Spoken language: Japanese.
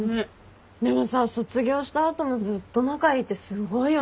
でもさ卒業した後もずっと仲いいってすごいよね。